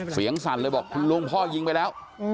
สั่นเลยบอกคุณลุงพ่อยิงไปแล้ว